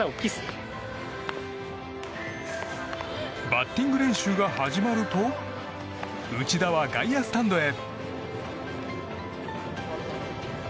バッティング練習が始まると内田は外野スタンドへ。